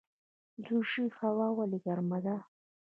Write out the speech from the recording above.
دوشي هوا ولې ګرمه ده؟